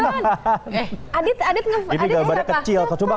siapa itu adit lihat siapa itu siapa itu coba lihat di cepet di pilki buku buku